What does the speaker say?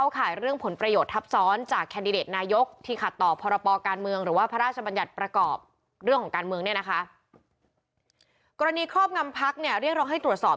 กรณีครอบงำพักเนี่ยเรียกร้องให้ตรวจสอบ